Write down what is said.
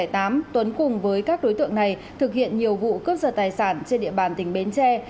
tuấn cùng với các đối tượng này thực hiện nhiều vụ cướp giật tài sản trên địa bàn tỉnh bến tre